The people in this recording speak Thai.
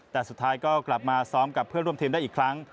แต่สุดท้ายก็กลับมาซ้อมกับเพื่อนร่วมทีมได้อีกครั้ง